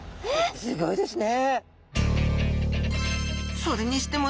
すギョいですね。